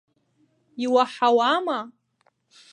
Иуаҳауама?!